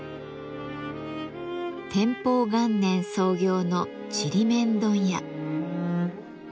天保元年創業のちりめん問屋。